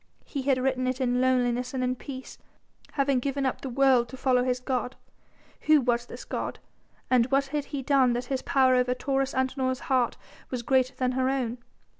He had written it in loneliness and in peace, having given up the world to follow his God. Who was this god? and what had he done that his power over Taurus Antinor's heart was greater than her own?